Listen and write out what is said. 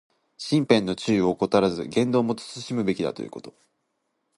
身辺の注意を怠らず、言動も慎むべきだということ。